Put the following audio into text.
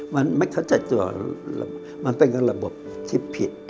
มันไม่เข้าใจตัวมันเป็นระบบที่ผิด